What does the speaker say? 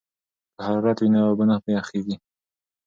که حرارت وي نو اوبه نه یخیږي.